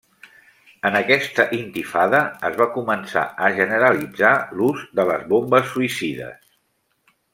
En aquesta intifada, es va començar a generalitzar l'ús de les bombes suïcides.